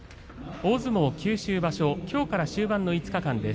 大相撲九州場所きょうから終盤の５日間です。